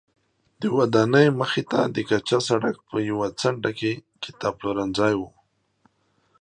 د ودانۍ مخې ته د کچه سړک په یوه څنډه کې کتابپلورځی و.